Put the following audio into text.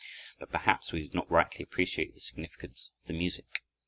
But perhaps we do not rightly appreciate the significance of the music.